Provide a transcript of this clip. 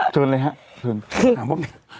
เชิญเลยฮะเชิญ